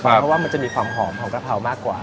เพราะว่ามันจะมีความหอมของกะเพรามากกว่า